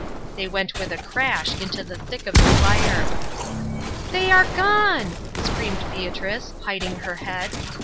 They went with a crash into the thick of the fire. "They are gone!" screamed Beatrice, hiding her head.